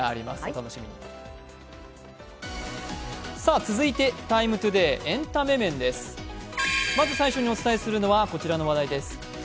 まず最初にお伝えするのは、こちらの話題です。